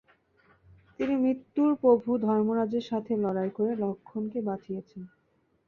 তিনি মৃত্যুর প্রভু ধর্মরাজের সাথে লড়াই করে লখনকে বাঁচিয়েছেন।